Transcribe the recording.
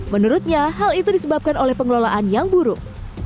menurutnya hal itu disebabkan oleh pengelolaan yang buruk